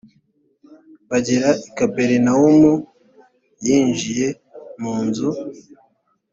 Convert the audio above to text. bagera i kaperinawumu yinjiye mu nzu